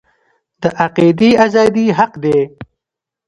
د عقیدې ازادي حق دی